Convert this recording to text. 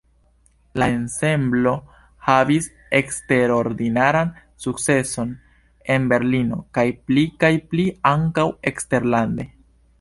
La ensemblo havis eksterordinaran sukceson en Berlino, kaj pli kaj pli ankaŭ eksterlande.